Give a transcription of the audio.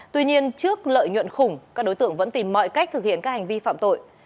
tuy nhiên trước lợi nhuận khủng các đối tượng vẫn tìm mọi cách thực hiện các hành vi phạm tội